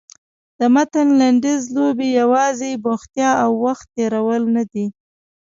د متن لنډیز لوبې یوازې بوختیا او وخت تېرول نه دي.